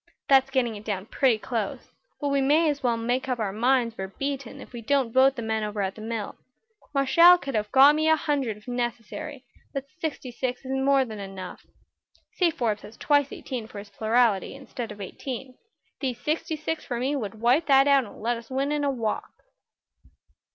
That's getting it down pretty close, but we may as well make up our minds we're beaten if we don't vote the men over at the mill. Marshall could have got me a hundred if necessary, but sixty six is more than enough. Say Forbes has twice eighteen for his plurality, instead of eighteen; these sixty six for me would wipe that out and let us win in a walk."